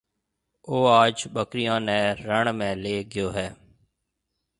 او آج ٻڪرِيون نَي رڻ ۾ ليَ گيو هيَ۔